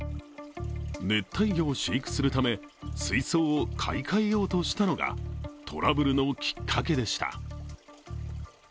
熱帯魚を飼育するため、水槽を買い替えようとしたのがトラブルのきっかけでした。